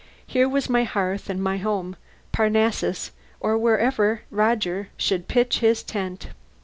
Here were my hearth and my home Parnassus, or wherever Roger should pitch his tent.